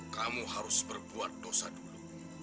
kamu harus berbuat dosa dulu